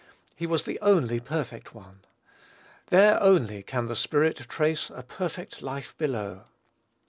He was the only perfect One. "There only can the Spirit trace a perfect life below."